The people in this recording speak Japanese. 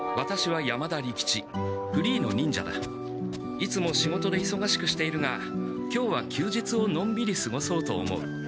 いつも仕事でいそがしくしているが今日は休日をのんびりすごそうと思う。